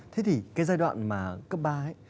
thế thì cái giai đoạn mà cấp ba ấy